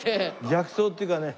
逆走っていうかね